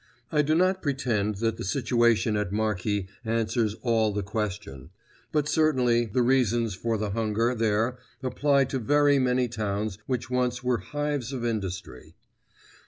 I do not pretend that the situation at Marki answers all the question, But certainly the reasons for the hunger there apply to very many towns which once were hives of industry.